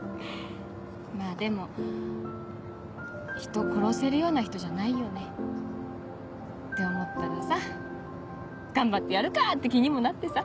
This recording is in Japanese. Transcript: まぁでも人殺せるような人じゃないよね。って思ったらさ頑張ってやるかぁって気にもなってさ。